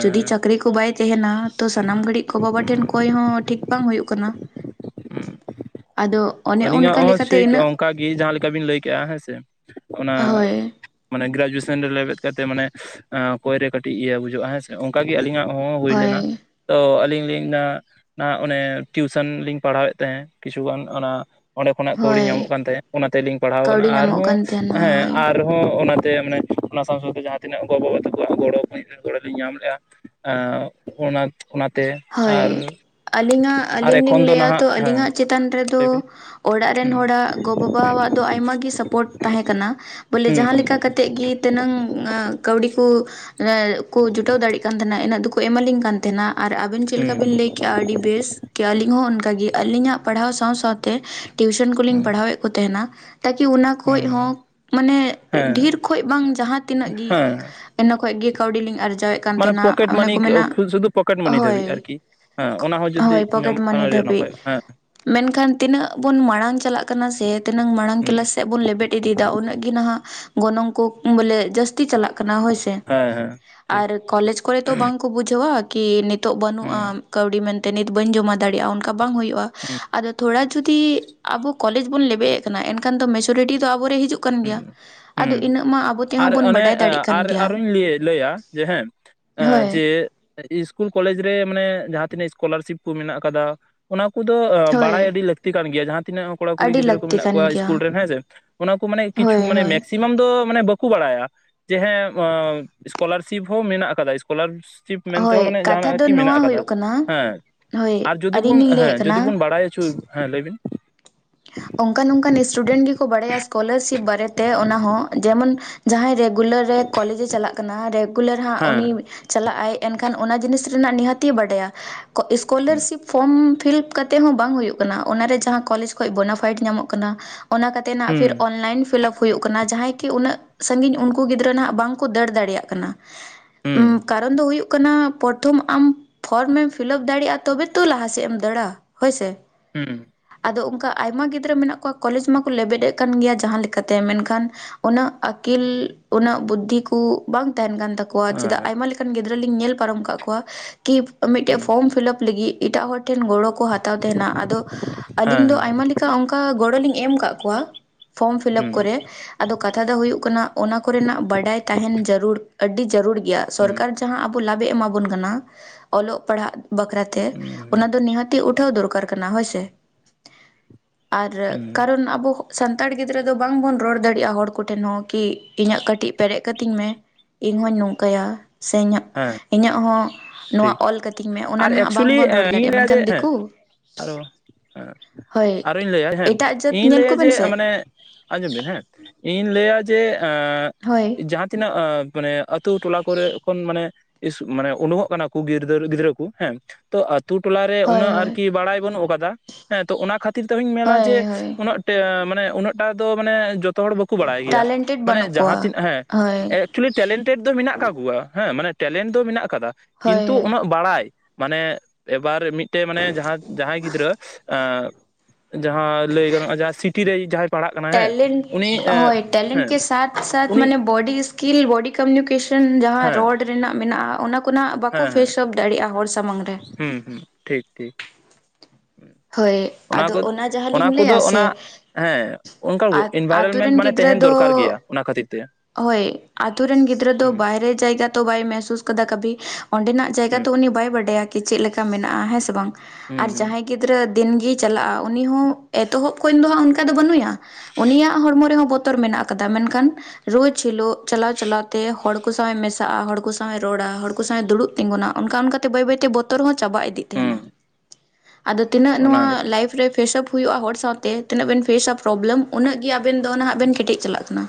Speaker 1: ᱡᱩᱫᱤ ᱪᱟᱹᱠᱨᱤ ᱠᱚ ᱵᱟᱭ ᱛᱟᱦᱮᱸᱱᱟ ᱛᱚ ᱥᱟᱱᱟᱢ ᱜᱷᱟᱹᱲᱤᱡ ᱜᱚ ᱵᱟᱵᱟ ᱴᱷᱮᱱ ᱠᱚᱭ ᱦᱚᱸ ᱴᱷᱤᱠ ᱵᱟᱝ ᱦᱩᱭᱩᱜ ᱠᱟᱱᱟ
Speaker 2: ᱦᱩᱸ
Speaker 1: ᱟᱫᱚ ᱚᱱᱮ
Speaker 2: ᱟᱹᱞᱤᱧᱟᱜ
Speaker 1: ᱚᱱᱠᱟ
Speaker 2: ᱦᱚᱸ
Speaker 1: ᱞᱮᱠᱟᱛᱮ
Speaker 2: ᱴᱷᱤᱠ
Speaker 1: ᱤᱱᱟᱹᱜ
Speaker 2: ᱚᱱᱠᱟᱜᱮ ᱡᱟᱦᱟᱸ ᱞᱮᱠᱟ ᱵᱤᱱ ᱞᱟᱹᱭ ᱠᱮᱜᱼᱟ ᱦᱮᱸᱥᱮ ᱚᱱᱟ
Speaker 1: ᱦᱳᱭ
Speaker 2: ᱢᱟᱱᱮ ᱜᱨᱮᱡᱩᱭᱮᱥᱚᱱ ᱨᱮ ᱞᱮᱵᱮᱫ ᱠᱟᱛᱮ ᱢᱟᱱᱮ ᱠᱚᱭᱨᱮ ᱠᱟᱹᱴᱤᱡ ᱤᱭᱟᱹ ᱵᱩᱡᱩᱜᱟᱹᱜᱼᱟ ᱦᱮᱸ ᱥᱮ ᱚᱱᱠᱟᱜᱮ ᱟᱹᱞᱤᱧᱟᱜ ᱦᱚᱸ ᱦᱩᱭ ᱞᱮᱱᱟ
Speaker 1: ᱦᱳᱭ
Speaker 2: ᱛᱚ ᱟᱹᱞᱤᱧ ᱞᱤᱧ ᱚᱱᱟ ᱚᱱᱮ ᱴᱤᱭᱩᱥᱚᱱ ᱞᱤᱧ ᱯᱟᱲᱦᱟᱣᱮᱫ ᱛᱟᱦᱮᱸᱫ ᱠᱤᱪᱷᱩᱜᱟᱱ ᱚᱱᱟ ᱚᱸᱰᱮ ᱠᱷᱚᱱᱟᱜ ᱠᱟᱹᱣᱰᱤ ᱧᱟᱢᱚᱜ
Speaker 1: ᱦᱳᱭ
Speaker 2: ᱠᱟᱱ ᱛᱟᱦᱮᱸᱫ ᱚᱱᱟ ᱛᱮᱞᱤᱧ ᱯᱟᱲᱦᱟᱣ ᱟᱠᱟᱱᱟ
Speaker 1: ᱠᱟᱹᱣᱰᱤ ᱧᱟᱢᱚᱜ
Speaker 2: ᱟᱨᱦᱚᱸ
Speaker 1: ᱠᱟᱱ ᱛᱟᱦᱮᱱᱟ
Speaker 2: ᱦᱮᱸ
Speaker 1: ᱦᱳᱭ
Speaker 2: ᱟᱨ ᱦᱚᱸ ᱚᱱᱟᱛᱮ ᱢᱟᱱᱮ ᱚᱱᱟ ᱥᱟᱶ ᱥᱟᱶᱛᱮ ᱡᱟᱦᱟᱸ ᱛᱤᱱᱟᱹᱜ ᱜᱚᱼᱵᱟᱵᱟ ᱛᱟᱠᱚᱣᱟᱜ ᱜᱚᱲᱚ ᱠᱚ ᱜᱚᱲᱚ ᱞᱤᱧ ᱧᱟᱢ ᱞᱮᱜᱼᱟ ᱚᱱᱟ ᱚᱱᱟᱛᱮ ᱟᱨ
Speaker 1: ᱦᱳᱭ ᱟᱹᱞᱤᱧᱟᱜ
Speaker 2: ᱟᱨ
Speaker 1: ᱟᱹᱞᱤᱧ ᱞᱤᱧ
Speaker 2: ᱮᱠᱷᱚᱱ ᱫᱚ
Speaker 1: ᱞᱟᱹᱭᱟ
Speaker 2: ᱱᱟᱦᱟᱜ
Speaker 1: ᱛᱚ
Speaker 2: ᱦᱮᱸ
Speaker 1: ᱟᱹᱞᱤᱧᱟᱜ ᱪᱮᱛᱟᱱ ᱨᱮᱫᱚ
Speaker 2: ᱞᱟᱹᱭ ᱵᱤᱱ
Speaker 1: ᱚᱲᱟᱜ ᱨᱮᱱ
Speaker 2: ᱦᱩᱸ
Speaker 1: ᱦᱚᱲᱟᱜ ᱜᱚ ᱵᱟᱵᱟᱣᱟᱜ ᱫᱚ ᱟᱭᱢᱟ ᱜᱮ ᱥᱟᱯᱳᱴ ᱛᱟᱦᱮᱸ ᱠᱟᱱᱟ ᱵᱚᱞᱮ
Speaker 2: ᱦᱩᱸ
Speaker 1: ᱡᱟᱦᱟᱸ ᱞᱮᱠᱟ ᱠᱟᱛᱮᱜ ᱜᱮ ᱛᱮᱱᱟᱹᱝ ᱠᱟᱹᱣᱰᱤ ᱠᱚ ᱠᱚ ᱡᱩᱴᱟᱹᱣ ᱫᱟᱲᱮᱭᱟᱜ ᱠᱟᱱ ᱛᱟᱦᱮᱱᱟ ᱤᱱᱟᱹᱜ ᱫᱚᱠᱚ ᱠᱚ ᱮᱢᱟᱞᱤᱧ ᱠᱟᱱ ᱛᱟᱦᱮᱱᱟ ᱟᱨ ᱟᱵᱮᱱ ᱪᱮᱫ ᱞᱮᱠᱟ
Speaker 2: ᱦᱩᱸ ᱦᱩᱸ
Speaker 1: ᱵᱮᱱ ᱞᱟᱹᱭ ᱠᱮᱜᱼᱟ ᱟᱹᱰᱤ ᱵᱮᱥ ᱠᱤ ᱟᱹᱞᱤᱧ ᱦᱚᱸ ᱚᱱᱠᱟᱜᱮ ᱟᱹᱞᱤᱧᱟᱜ ᱯᱟᱲᱦᱟᱣ ᱥᱟᱶ ᱥᱟᱶᱛᱮ ᱴᱤᱭᱩᱥᱚᱱ ᱠᱚᱞᱤᱧ
Speaker 2: ᱦᱩᱸ
Speaker 1: ᱯᱟᱲᱦᱟᱣᱮᱫ ᱠᱚ ᱛᱟᱦᱮᱱᱟ ᱛᱟᱠᱤ ᱚᱱᱟ ᱠᱷᱚᱡ ᱦᱚᱸ
Speaker 2: ᱦᱩᱸ
Speaker 1: ᱢᱟᱱᱮ
Speaker 2: ᱦᱮᱸ
Speaker 1: ᱰᱷᱮᱨ ᱠᱷᱚᱡ ᱵᱟᱝ ᱡᱟᱦᱟᱸ ᱛᱤᱱᱟᱹᱜ ᱜᱮ
Speaker 2: ᱦᱮᱸ
Speaker 1: ᱤᱱᱟᱹ ᱠᱷᱚᱡ ᱜᱮ ᱠᱟᱹᱣᱰᱤ ᱞᱤᱧ ᱟᱨᱡᱟᱣᱮᱫ ᱠᱟᱱ
Speaker 2: ᱢᱟᱱᱮ
Speaker 1: ᱛᱟᱦᱮᱱᱟ
Speaker 2: ᱯᱚᱠᱮᱴ
Speaker 1: ᱚᱱᱮ
Speaker 2: ᱢᱟᱱᱤ
Speaker 1: ᱠᱚ ᱢᱮᱱᱟ
Speaker 2: ᱥᱩᱫᱷᱩ ᱯᱚᱠᱮᱴ ᱢᱟᱱᱤ
Speaker 1: ᱦᱳᱭ
Speaker 2: ᱫᱷᱟᱹᱵᱤᱡ ᱟᱨᱠᱤ ᱦᱮᱸ ᱚᱱᱟ ᱦᱚᱸ
Speaker 1: [inaudible]
Speaker 2: ᱡᱩᱫᱤ
Speaker 1: ᱦᱳᱭ ᱯᱚᱠᱮᱴ
Speaker 2: ᱧᱟᱢᱚᱜ ᱠᱷᱟᱱ
Speaker 1: ᱢᱟᱹᱱᱤ
Speaker 2: ᱟᱹᱰᱤ
Speaker 1: ᱫᱷᱟᱵᱤᱡ
Speaker 2: ᱱᱟᱯᱟᱭᱚᱜᱼᱟ ᱦᱮᱸ
Speaker 1: ᱢᱮᱱᱠᱷᱟᱱ ᱛᱤᱱᱟᱹᱜ ᱵᱚᱱ ᱢᱟᱲᱟᱝ ᱪᱟᱞᱟᱜ ᱠᱟᱱᱟ ᱥᱮ ᱛᱤᱱᱟᱹᱝ ᱢᱟᱲᱟᱝ
Speaker 2: ᱦᱮᱸ
Speaker 1: ᱠᱮᱞᱟᱥ ᱵᱚᱱ ᱞᱮᱵᱮᱫ ᱤᱫᱤᱭᱮᱫᱟ ᱩᱱᱟᱹᱜ ᱜᱮ ᱱᱟᱦᱟᱜ ᱜᱚᱱᱚᱝ ᱠᱚ ᱵᱚᱞᱮ ᱡᱟᱹᱥᱛᱤ ᱪᱟᱞᱟᱜ ᱠᱟᱱᱟ ᱠᱟᱱᱟ ᱦᱳᱭᱥᱮ
Speaker 2: ᱦᱮᱸ ᱦᱮᱸ ᱴᱷᱤᱠ
Speaker 1: ᱟᱨ ᱠᱚᱞᱮᱡ ᱠᱚᱨᱮ ᱛᱚ ᱵᱟᱝ ᱠᱚ ᱵᱩᱡᱷᱟᱹᱣᱟ ᱠᱤ ᱱᱤᱛᱚᱜ ᱵᱟᱹᱱᱩᱜ
Speaker 2: ᱦᱩᱸ
Speaker 1: ᱠᱟᱹᱣᱰᱤ ᱢᱮᱱᱛᱮ ᱱᱤᱛ ᱵᱟᱹᱧ ᱡᱚᱢᱟ ᱫᱟᱲᱮᱭᱟᱜᱼᱟ ᱚᱱᱠᱟ ᱵᱟᱝ ᱦᱩᱭᱩᱜᱼᱟ
Speaker 2: ᱦᱩᱸ
Speaker 1: ᱟᱫᱚ ᱛᱷᱚᱲᱟ ᱡᱩᱫᱤ ᱟᱵᱚ ᱠᱚᱞᱮᱡᱽ ᱵᱚᱱ ᱞᱮᱵᱮ ᱮᱫ ᱠᱟᱱᱟ ᱮᱱᱠᱷᱟᱱ ᱫᱚ ᱢᱮᱪᱚᱨᱤᱴᱤ ᱫᱚ ᱟᱵᱚᱨᱮ ᱦᱤᱡᱩᱜ [unintelligible] ᱠᱟᱱᱟ
Speaker 2: ᱦᱩᱸ ᱦᱩᱸ ᱟᱨ
Speaker 1: ᱵᱚᱱ
Speaker 2: ᱚᱱᱮ
Speaker 1: ᱵᱟᱰᱟᱭ ᱫᱟᱲᱮᱜ ᱠᱟᱱ
Speaker 2: ᱟᱨ
Speaker 1: ᱜᱮᱭᱟ
Speaker 2: ᱟᱨᱚᱧ ᱞᱟᱹᱭ ᱞᱟᱹᱭᱟ ᱡᱮ ᱦᱮᱸ ᱮᱸ
Speaker 1: ᱦᱳᱭ
Speaker 2: ᱡᱮ ᱤᱥᱠᱩᱞ ᱠᱚᱞᱮᱡᱽ ᱨᱮ ᱢᱟᱱᱮ ᱡᱟᱦᱟᱸ ᱛᱤᱱᱟᱹᱜ ᱥᱠᱚᱞᱟᱨᱥᱤᱯ ᱠᱚ ᱢᱮᱱᱟᱜ ᱠᱟᱫᱟ ᱚᱱᱟ ᱠᱚᱫᱚ
Speaker 1: ᱦᱳᱭ
Speaker 2: ᱵᱟᱲᱟᱭ ᱟᱹᱰᱤ ᱞᱟᱹᱠᱛᱤ ᱠᱟᱱ ᱜᱮᱭᱟ ᱡᱟᱦᱟᱸ ᱛᱤᱱᱟᱹᱜ ᱠᱚᱲᱟ ᱠᱩᱲᱤ
Speaker 1: ᱟᱹᱰᱤ
Speaker 2: ᱜᱤᱫᱽᱨᱟᱹ ᱠᱚ
Speaker 1: ᱞᱟᱹᱠᱛᱤ
Speaker 2: ᱢᱮᱱᱟᱜ
Speaker 1: ᱠᱟᱱ
Speaker 2: ᱠᱚᱣᱟ
Speaker 1: ᱜᱮᱭᱟ
Speaker 2: ᱤᱥᱠᱩᱞ ᱨᱮᱱ ᱦᱮᱸᱥᱮ ᱚᱱᱟ ᱠᱚ ᱢᱟᱱᱮ
Speaker 1: ᱦᱳᱭ
Speaker 2: ᱠᱤᱪᱷᱩ ᱢᱟᱱᱮ [unintelligible]
Speaker 1: ᱦᱳᱭ
Speaker 2: ᱢᱮᱥᱟ ᱥᱤᱢᱟᱢ ᱫᱚ ᱢᱟᱱᱮ ᱵᱟᱠᱚ ᱵᱟᱲᱟᱭᱟ ᱡᱮ ᱦᱮᱸ ᱥᱠᱚᱞᱟᱨᱥᱤᱯ ᱦᱚᱸ ᱢᱮᱱᱟᱜ ᱟᱠᱟᱫᱟ [unintelligible] ᱥᱠᱚᱞᱟᱨᱥᱤᱯ ᱥᱤᱯ ᱢᱮᱱᱛᱮᱦᱚᱸ
Speaker 1: ᱦᱳᱭ
Speaker 2: ᱢᱟᱱᱮ
Speaker 1: ᱠᱟᱛᱷᱟ
Speaker 2: ᱡᱟᱦᱱᱟᱜ
Speaker 1: ᱫᱚ
Speaker 2: ᱠᱤ ᱢᱮᱱᱟᱜ
Speaker 1: ᱱᱚᱣᱟ
Speaker 2: ᱟᱠᱟᱫᱟ
Speaker 1: ᱦᱩᱭᱩᱜ ᱠᱟᱱᱟ
Speaker 2: ᱦᱮᱸ
Speaker 1: ᱦᱳᱭ
Speaker 2: ᱟᱨ ᱡᱩᱫᱤ
Speaker 1: ᱟᱹᱞᱤᱧ
Speaker 2: ᱵᱚᱱ
Speaker 1: ᱞᱤᱧ ᱞᱟᱹᱭᱮᱫ
Speaker 2: ᱦᱮᱸ
Speaker 1: ᱠᱟᱱᱟ
Speaker 2: ᱡᱩᱫᱤ ᱵᱚᱱ ᱵᱟᱲᱟᱭ ᱦᱚᱪᱚ ᱦᱮᱸ ᱞᱟᱹᱭ ᱵᱤᱱ
Speaker 1: ᱚᱱᱠᱟᱱ ᱚᱱᱠᱟᱱ ᱤᱥᱴᱩᱰᱮᱱᱴ ᱜᱮᱠᱚ ᱵᱟᱲᱟᱭᱟ ᱥᱠᱚᱞᱟᱨᱥᱤᱯ ᱵᱟᱨᱮᱛᱮ ᱚᱱᱟᱦᱚᱸ ᱡᱮᱢᱚᱱ ᱡᱟᱦᱟᱸᱭ ᱨᱮᱜᱩᱞᱟᱨ ᱨᱮ ᱠᱚᱞᱮᱡᱽ ᱮ ᱪᱟᱞᱟᱜ ᱠᱟᱱᱟ ᱨᱮᱜᱩᱞᱟᱨ ᱦᱟᱸᱜ ᱩᱱᱤ
Speaker 2: ᱦᱮᱸ
Speaker 1: ᱪᱟᱞᱟᱜ ᱟᱭ ᱮᱱᱠᱷᱟᱱ ᱚᱱᱟ ᱡᱤᱱᱤᱥ ᱨᱮᱱᱟᱜ ᱱᱤᱦᱟᱹᱛ ᱵᱟᱰᱟᱭᱟ
Speaker 2: ᱦᱩᱸ
Speaker 1: ᱥᱠᱚᱞᱟᱨᱥᱤᱯ ᱯᱷᱚᱨᱢ ᱯᱷᱤᱞᱟᱯ ᱠᱟᱛᱮ ᱦᱚᱸ ᱵᱟᱝ ᱦᱩᱭᱩᱜ ᱠᱟᱱᱟ ᱚᱱᱟᱨᱮ ᱡᱟᱦᱟᱸ ᱠᱚᱞᱮᱽᱡ ᱠᱷᱚᱡ ᱵᱚᱱᱟ ᱯᱷᱟᱭᱤᱰ ᱧᱟᱢᱚᱜ ᱠᱟᱱᱟ ᱚᱱᱟ ᱠᱟᱛᱮ ᱱᱟᱜ
Speaker 2: ᱦᱩᱸ
Speaker 1: ᱯᱷᱤᱨ ᱚᱱᱞᱟᱭᱤᱱ ᱯᱷᱤᱞᱟᱯ ᱦᱩᱭᱩᱜ ᱠᱟᱱᱟ ᱡᱟᱦᱟᱸᱭ ᱠᱤ ᱩᱱᱟᱹᱜ ᱥᱟᱺᱜᱤᱧ ᱩᱱᱠᱩ ᱜᱤᱫᱽᱨᱟᱹ ᱱᱟᱦᱟᱜ ᱵᱟᱝᱠᱚ ᱫᱟᱹᱲ ᱫᱟᱲᱮᱭᱟᱜ ᱠᱟᱱᱟ ᱩᱸ
Speaker 2: ᱦᱩᱸ
Speaker 1: ᱠᱟ ᱠᱟᱨᱚᱱ ᱫᱚ ᱦᱩᱭᱩᱜ ᱠᱟᱱᱟ ᱯᱚᱨᱛᱷᱚᱢ ᱟᱢ ᱯᱷᱚᱨᱚᱢᱮᱢ ᱯᱷᱤᱞᱟᱯ ᱫᱟᱲᱮᱭᱟᱜᱼᱟ ᱛᱚᱵᱮ ᱛᱚ ᱞᱟᱦᱟ ᱥᱮᱫ ᱮᱢ ᱫᱟᱹᱲᱟ ᱦᱳᱭ ᱥᱮ
Speaker 2: ᱦᱩᱸ
Speaker 1: ᱟᱫᱚ ᱚᱱᱠᱟ ᱟᱭᱢᱟ ᱜᱤᱫᱽᱨᱟᱹ ᱢᱮᱱᱟᱜ ᱠᱚᱣᱟ ᱠᱚᱞᱮᱡᱽ ᱢᱟᱠᱚ ᱞᱮᱵᱮᱫ ᱮᱫ ᱠᱟᱱ ᱜᱮᱭᱟ ᱡᱟᱦᱟᱸ ᱞᱮᱠᱟᱛᱮ ᱢᱮᱱᱠᱷᱟᱱ ᱩᱱᱟᱹᱜ ᱟᱹᱠᱤᱞ ᱩᱱᱟᱹᱜ ᱵᱩᱫᱽᱫᱷᱤ [unintelligible] ᱠᱚ ᱠᱩ ᱵᱟᱝ ᱛᱟᱦᱮᱱ ᱠᱟᱱ ᱛᱟᱠᱚᱣᱟ ᱪᱮᱫᱟᱜ
Speaker 2: ᱦᱮᱸ
Speaker 1: ᱟᱭᱢᱟ ᱞᱮᱠᱟᱱ ᱜᱤᱫᱽᱨᱟᱹ ᱞᱤᱧ ᱧᱮᱞ ᱯᱟᱨᱚᱢ ᱠᱟᱜ ᱠᱚᱣᱟ ᱠᱤ ᱢᱤᱫᱴᱮᱡ
Speaker 2: ᱦᱮᱸ
Speaker 1: ᱯᱷᱚᱨᱚᱢ ᱯᱷᱤᱞᱟᱯ ᱞᱟᱹᱜᱤᱫ ᱮᱴᱟᱜ ᱦᱚᱲ ᱴᱷᱮᱱ ᱜᱚᱲᱚ ᱠᱚ ᱦᱟᱛᱟᱣ ᱛᱟᱦᱮᱱᱟ ᱟᱫᱚ ᱟᱞᱤᱧ ᱫᱚ
Speaker 2: ᱦᱮᱸ
Speaker 1: ᱟᱭᱢᱟ
Speaker 2: ᱦᱮᱸ
Speaker 1: [unintelligible] ᱞᱤᱧ ᱠᱟ ᱚᱱᱠᱟ ᱜᱚᱲᱚᱞᱤᱧ ᱮᱢ ᱠᱟᱜ ᱠᱚᱣᱟ ᱯᱷᱚᱨᱚᱢ ᱯᱷᱤᱞᱟᱯ
Speaker 2: ᱦᱩᱸ
Speaker 1: ᱠᱚᱨᱮ ᱟᱫᱚ ᱠᱟᱛᱷᱟ ᱫᱚ ᱦᱩᱭᱩᱜ ᱠᱟᱱᱟ ᱚᱱᱟ ᱠᱚᱨᱮᱱᱟᱜ ᱵᱟᱰᱟᱭ ᱛᱟᱦᱮᱱ ᱡᱟᱨᱩᱲ ᱟᱹᱰᱤ ᱡᱟᱨᱩᱲ ᱜᱮᱭᱟ
Speaker 2: ᱦᱩᱸ
Speaker 1: ᱥᱚᱨᱠᱟᱨ ᱡᱟᱦᱟᱸ [unintelligible] ᱟᱵᱚ ᱞᱟᱵᱮ ᱮᱢᱟ ᱵᱚᱱ ᱠᱟᱱᱟ ᱚᱞᱚᱜ ᱯᱟᱲᱦᱟᱜ ᱵᱟᱠᱷᱨᱟ ᱛᱮ ᱚᱱᱟ
Speaker 2: ᱦᱩᱸ
Speaker 1: ᱫᱚ ᱱᱤᱦᱟᱹᱛ ᱩᱴᱷᱟᱹᱣ ᱫᱚᱨᱠᱟᱨ ᱠᱟᱱᱟ ᱦᱳᱭ ᱥᱮ ᱟᱨ
Speaker 2: ᱦᱩᱸ
Speaker 1: ᱠᱟᱨᱚᱱ ᱟᱵᱚ ᱥᱟᱱᱛᱟᱲ ᱜᱤᱫᱽᱨᱟᱹ ᱫᱚ ᱵᱟᱝᱵᱚᱱ ᱨᱚᱲ ᱫᱟᱲᱮᱭᱟᱜᱼᱟ ᱦᱚᱲ ᱠᱚᱴᱷᱮᱱ ᱦᱚᱸ ᱠᱤ ᱤᱧᱟᱹᱜ ᱠᱟᱹᱴᱤᱡ ᱯᱮᱨᱮᱡ ᱠᱟᱹᱛᱤᱧ ᱢᱮ ᱤᱧ ᱦᱚᱧ ᱱᱚᱝᱠᱟᱭᱟ ᱥᱮ
Speaker 2: ᱦᱮᱸ
Speaker 1: ᱤᱧᱟᱹᱜ ᱦᱚᱸ ᱱᱚᱣᱟ
Speaker 2: ᱴᱷᱤᱠ
Speaker 1: ᱚᱞ ᱠᱟᱹᱛᱤᱧ ᱢᱮ ᱚᱱᱟ
Speaker 2: ᱟᱨ
Speaker 1: ᱱᱟᱜ
Speaker 2: ᱮᱠᱪᱩᱭᱮᱞᱤ
Speaker 1: ᱵᱟᱝᱵᱚᱱ ᱨᱚᱲ
Speaker 2: ᱤᱧ
Speaker 1: ᱫᱟᱲᱮᱭᱟᱜᱼᱟ
Speaker 2: ᱞᱟᱹᱭᱟ ᱡᱮ
Speaker 1: ᱢᱮᱱᱠᱷᱟᱱ
Speaker 2: ᱦᱮᱸ
Speaker 1: ᱫᱤᱠᱩ
Speaker 2: ᱟᱨᱚ ᱦᱮᱸ
Speaker 1: ᱦᱳᱭ
Speaker 2: ᱟᱨᱚᱧ ᱞᱟᱹᱭᱟ ᱦᱮᱸ
Speaker 1: ᱮᱴᱟᱜ ᱡᱟᱹᱛ
Speaker 2: ᱤᱧ
Speaker 1: ᱧᱮᱞ
Speaker 2: ᱞᱟᱹᱭᱟ ᱡᱮ
Speaker 1: ᱠᱚᱵᱮᱱ ᱥᱮ
Speaker 2: ᱢᱟᱱᱮ ᱟᱸᱡᱚᱢ ᱵᱤᱱ ᱦᱮᱸ ᱤᱧ ᱞᱟᱹᱭᱟ ᱡᱮ ᱮᱸ
Speaker 1: ᱦᱳᱭ
Speaker 2: ᱡᱟᱦᱟᱸ ᱛᱤᱱᱟᱹᱜ ᱢᱟᱱᱮ ᱟᱛᱳ ᱴᱚᱞᱟ ᱠᱚᱨᱮ ᱠᱷᱚᱱ ᱢᱟᱱᱮ ᱢᱟᱱᱮ ᱩᱰᱠᱚᱜ ᱠᱟᱱᱟ ᱜᱤᱫᱽᱨᱟᱹ ᱠᱚ ᱦᱮᱸ ᱛᱚ ᱟᱛᱳ ᱴᱚᱞᱟᱨᱮ
Speaker 1: ᱦᱳᱭ
Speaker 2: ᱩᱱᱟᱹᱜ
Speaker 1: ᱦᱳᱭ
Speaker 2: ᱟᱨᱠᱤ ᱵᱟᱲᱟᱭ ᱵᱟᱹᱱᱩᱜ ᱟᱠᱟᱫᱟ ᱦᱮᱸ ᱛᱚ ᱚᱱᱟ ᱠᱷᱟᱹᱛᱤᱨ ᱛᱮᱦᱩᱧ ᱢᱮᱱᱟ
Speaker 1: ᱦᱳᱭ
Speaker 2: ᱡᱮ
Speaker 1: ᱦᱳᱭ
Speaker 2: ᱩᱱᱟᱹᱜ ᱢᱟᱱᱮ ᱩᱱᱟᱹᱜ ᱴᱟ ᱫᱚ ᱢᱟᱱᱮ ᱡᱚᱛᱚ ᱦᱚᱲ ᱵᱟ ᱠᱚ ᱵᱟᱲᱟᱭ ᱜᱮᱭᱟ
Speaker 1: ᱴᱮᱞᱮᱱᱴᱮᱰ
Speaker 2: ᱢᱟᱱᱮ
Speaker 1: ᱵᱟᱹᱱᱩᱜ ᱠᱚᱣᱟ
Speaker 2: ᱡᱟᱦᱟᱸ ᱛᱤᱱᱟᱹᱜ ᱦᱮᱸ
Speaker 1: ᱦᱳᱭ
Speaker 2: ᱮᱠᱪᱩᱭᱮᱞᱤ ᱴᱮᱞᱮᱱᱴᱮᱰ ᱫᱚ ᱢᱮᱱᱟᱜ ᱠᱟᱜ ᱠᱚᱣᱟ ᱦᱮᱸ ᱢᱟᱱᱮ ᱴᱮᱞᱮᱱᱴ ᱫᱚ ᱢᱮᱱᱟᱜ ᱠᱟᱫᱟ
Speaker 1: ᱦᱳᱭ
Speaker 2: ᱠᱤᱱᱛᱩ
Speaker 1: ᱦᱳᱭ
Speaker 2: ᱩᱱᱟᱹᱜ ᱵᱟᱲᱟᱭ ᱢᱟᱱᱮ ᱮᱵᱟᱨ ᱢᱤᱫᱴᱮᱡ ᱢᱟᱱᱮ ᱡᱟᱦᱟᱸ ᱡᱟᱦᱟᱸᱭ ᱜᱤᱫᱽᱨᱟᱹ ᱮ ᱡᱟᱦᱟᱸ ᱞᱟᱹᱭ ᱜᱟᱱᱚᱜᱼᱟ ᱡᱟᱦᱟᱸ ᱥᱤᱴᱤ ᱨᱮ ᱡᱟᱦᱟᱸ
Speaker 1: ᱴᱮᱞᱮᱱᱴ ᱦᱳᱭ ᱴᱮᱞᱮᱱᱴ
Speaker 2: ᱦᱮᱸ
Speaker 1: ᱠᱮ ᱥᱟᱛ ᱥᱟᱛ
Speaker 2: ᱩᱱᱤ
Speaker 1: ᱢᱟᱱᱮ ᱵᱚᱰᱤ ᱤᱥᱠᱤᱞ ᱵᱚᱰᱤ ᱠᱚᱢᱤᱠᱮᱥᱚᱱ ᱡᱟᱦᱟᱸ
Speaker 2: ᱦᱮᱸ
Speaker 1: ᱨᱚᱲ ᱨᱮᱱᱟᱜ ᱢᱮᱱᱟᱜᱼᱟ ᱚᱱᱟ ᱠᱚ ᱠᱳᱱᱟᱜ ᱵᱟᱠᱚ
Speaker 2: ᱦᱮᱸ ᱦᱮᱸ
Speaker 1: ᱯᱷᱮᱥ ᱟᱯ ᱫᱟᱲᱮᱭᱟᱜᱼᱟ ᱦᱚᱲ ᱥᱟᱢᱟᱝ ᱨᱮ
Speaker 2: ᱦᱩᱸ ᱦᱩᱸ ᱴᱷᱤᱠ ᱴᱷᱤᱠ
Speaker 1: ᱦᱳᱭ ᱟᱫᱚ ᱚᱱᱟ ᱡᱟᱦᱟᱸᱞᱤᱧ
Speaker 2: ᱠᱚᱫᱚ
Speaker 1: ᱞᱟᱹᱭᱟ
Speaker 2: ᱚᱱᱟ
Speaker 1: ᱥᱮ
Speaker 2: ᱦᱮᱸ ᱚᱱᱠᱟ
Speaker 1: ᱟᱛᱳ
Speaker 2: ᱤᱱᱵᱷᱟᱭᱨᱟᱞᱢᱮᱱᱴ
Speaker 1: ᱨᱮᱱ
Speaker 2: ᱢᱟᱱᱮ
Speaker 1: ᱜᱤᱫᱽᱨᱟᱹ
Speaker 2: ᱛᱟᱦᱮᱱ
Speaker 1: ᱫᱚ
Speaker 2: ᱫᱚᱨᱠᱟᱨ ᱜᱮᱭᱟ ᱚᱱᱟ ᱠᱷᱟᱹᱛᱤᱨ ᱛᱮ
Speaker 1: ᱦᱳᱭ ᱟᱛᱳ ᱨᱮᱱ ᱜᱤᱫᱽᱨᱟᱹ ᱫᱚ
Speaker 2: ᱦᱩᱸ
Speaker 1: ᱵᱟᱭᱨᱮ ᱡᱟᱭᱜᱟ ᱛᱚ ᱵᱟᱭ ᱢᱮᱚᱦᱥᱩᱥ ᱠᱟᱫᱟ ᱠᱟᱹᱵᱤ ᱚᱸᱰᱮᱱᱟᱜ ᱡᱟᱭᱜᱟ
Speaker 2: ᱦᱩᱸ
Speaker 1: ᱛᱚ ᱩᱱᱤ ᱵᱟᱭ ᱵᱟᱰᱟᱭᱟ ᱠᱤ ᱪᱮᱫ ᱞᱮᱠᱟ ᱢᱮᱱᱟᱜᱼᱟ ᱦᱮᱸ ᱥᱮ ᱵᱟᱝ ᱟᱨ
Speaker 2: ᱦᱩᱸ
Speaker 1: ᱡᱟᱦᱟᱸᱭ ᱜᱤᱫᱽᱨᱟᱹ ᱫᱤᱱ ᱜᱮᱭ ᱪᱟᱞᱟᱜᱼᱟ ᱩᱱᱤ ᱦᱚᱸ ᱮᱛᱚᱦᱚᱵ ᱠᱚ ᱫᱚ ᱦᱟᱸᱜ ᱚᱱᱠᱟ ᱫᱚ ᱵᱟᱹᱱᱩᱭᱟ ᱩᱱᱤᱭᱟᱜ ᱦᱚᱲᱢᱚ
Speaker 2: ᱦᱩᱸ
Speaker 1: ᱨᱮᱦᱚᱸ ᱵᱚᱛᱚᱨ ᱢᱮᱱᱟᱜ ᱠᱟᱫᱟ ᱢᱮᱱᱠᱷᱟᱱ ᱨᱳᱡᱽ ᱦᱤᱞᱳᱜ ᱪᱟᱞᱟᱣ ᱪᱟᱞᱟᱣᱛᱮ ᱦᱚᱲ ᱠᱚ ᱥᱟᱶᱮ ᱢᱮᱥᱟᱜᱼᱟ ᱦᱚᱲ ᱠᱚ ᱥᱟᱶᱮ ᱨᱚᱲᱟ ᱦᱚᱲ ᱠᱚ ᱥᱟᱶ ᱮ ᱫᱩᱲᱩᱵ ᱛᱤᱸᱜᱩᱱᱟ ᱚᱱᱠᱟ ᱚᱱᱠᱟᱛᱮ ᱵᱟᱹᱭ ᱵᱟᱹᱭᱛᱮ ᱵᱚᱛᱚᱨ ᱦᱚᱸ ᱪᱟᱵᱟ ᱤᱫᱤᱜ ᱛᱟᱦᱮᱱᱟ
Speaker 2: ᱦᱩᱸ
Speaker 1: ᱟᱫᱚ ᱛᱤᱱᱟᱹᱜ
Speaker 2: ᱚᱱᱟ
Speaker 1: ᱱᱚᱣᱟ
Speaker 2: ᱤᱭᱟᱹᱛᱮ
Speaker 1: ᱞᱟᱭᱤᱯᱷ ᱨᱮ ᱯᱷᱮᱥᱚᱯ ᱦᱩᱭᱩᱜᱼᱟ ᱦᱚᱲ ᱥᱟᱶᱛᱮ ᱛᱤᱱᱟᱹᱜ ᱵᱮᱱ ᱯᱷᱮᱥᱟ ᱯᱨᱚᱵᱞᱮᱢ ᱩᱱᱟᱹᱜ ᱜᱮ ᱟᱵᱮᱱ ᱫᱚ ᱱᱟᱦᱟᱜ ᱵᱮᱱ ᱠᱮᱴᱮᱡ ᱪᱟᱞᱟᱜ ᱠᱟᱱᱟ